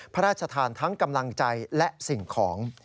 พระราชทานทั้งกำลังใจและสิ่งของ